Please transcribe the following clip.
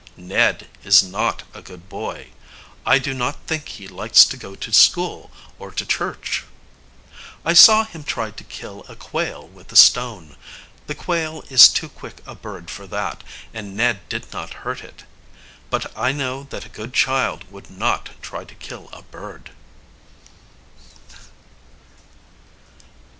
Ned is not a good boy. I do not think he likes to go to school or to church. I saw him try to kill a quail with a stone. The quail is too quick a bird for that, and Ned did not hurt it; but I know that a good child would not try to kill a bird.